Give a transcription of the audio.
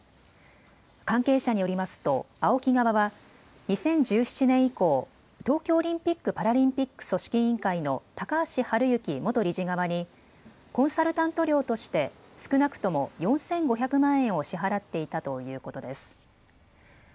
関係者によりますとＡＯＫＩ側は２０１７年以降、東京オリンピック・パラリンピック組織委員会の高橋治之元理事側にコンサルタント料として少なくとも４５００万円を支払っていたということです。